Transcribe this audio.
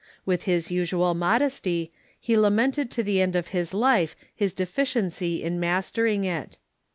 With his usual modesty, he lamented to the end of his life his deficiency in mastering it.